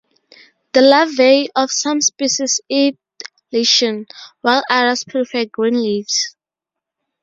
The larvae of some species eat lichen, while others prefer green leaves.